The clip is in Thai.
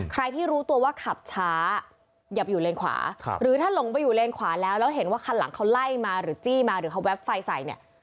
ใครที่รู้ตัวว่าขับช้าอย่าไปอยู่เลนขวาหรือถ้าหลงไปอยู่เลนขวาแล้วแล้วเห็นว่าคันหลังเขาไล่มาหรือจี้มาหรือเขาแป๊บไฟใส่เนี่ย